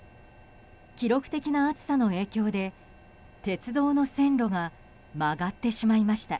記録的な暑さの影響で鉄道の線路が曲がってしまいました。